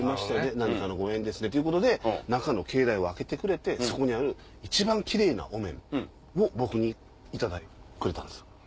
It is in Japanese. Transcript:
何かの縁ですねっていうことで中を開けてくれてそこにある一番キレイなお面を僕にくれたんですよ。